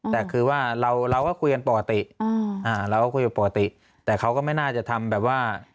แต่คือว่าเราเราก็คุยกันปกติเราก็คุยกันปกติแต่เขาก็ไม่น่าจะทำแบบว่า